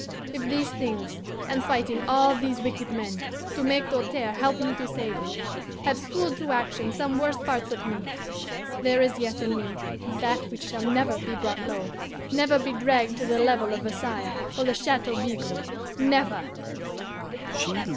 If these things, and fighting all these wicked men, to make Doltaire help me to save you, have schooled to action some worse parts of me, there is yet in me that which shall never be brought low, never be dragged to the level of Versailles or the Chateau Bigot never!"